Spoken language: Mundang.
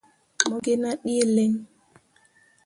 Mo gi nah ɗǝǝ lǝŋ.